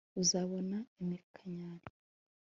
uzabona iminkanyari